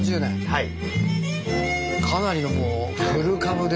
はい。